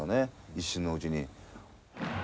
一瞬のうちに。